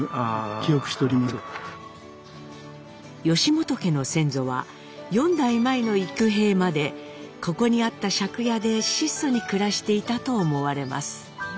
本家の先祖は４代前の幾平までここにあった借家で質素に暮らしていたと思われます。